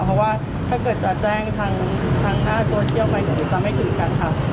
เพราะว่าถ้าเกิดจะแจ้งทางหน้าโซเชียลไปเดี๋ยวจะไม่ถึงกันค่ะ